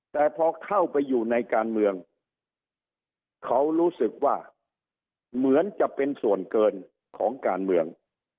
แต่พอเข้าไปอยู่ในการเมืองเขารู้สึกว่าเหมือนจะเป็นส่วนเกินของการเมือง